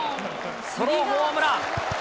ソロホームラン。